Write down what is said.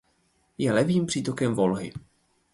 Je levým přítokem Volhy.